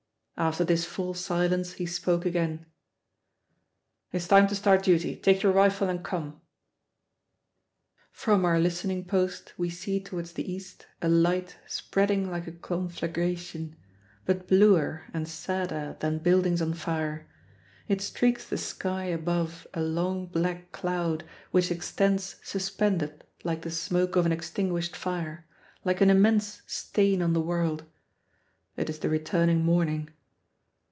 After this full silence he spoke again. "It's time to start duty; take your rifle and come." From our listening post we see towards the east a light spreading like a conflagration, but bluer and sadder than buildings on fire. It streaks the sky above a long black cloud which extends suspended like the smoke of an extinguished fire, like an immense stain on the world. It is the returning morning.